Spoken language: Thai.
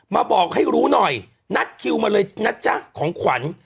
บอกให้รู้หน่อยนัดคิวมาเลยนะจ๊ะของขวัญ